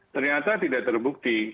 ternyata tidak terbukti